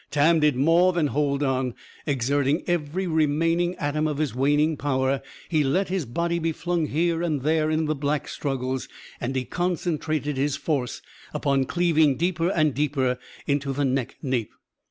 Tam did more than hold on. Exerting every remaining atom of his waning power, he let his body be flung here and there, in the Black's struggles; and he concentrated his force upon cleaving deeper and deeper into the neck nape.